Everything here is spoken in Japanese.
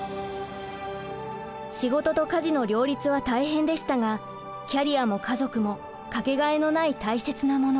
仕事と家事の両立は大変でしたがキャリアも家族もかけがえのない大切なもの。